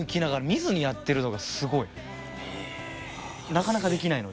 なかなかできないので。